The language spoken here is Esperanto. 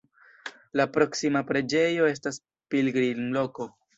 La proksima preĝejo estas pilgrimloko.